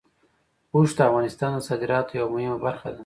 اوښ د افغانستان د صادراتو یوه مهمه برخه ده.